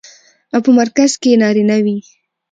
او په مرکز کې يې نارينه وي.